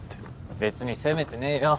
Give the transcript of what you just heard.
別に責めてねぇよ。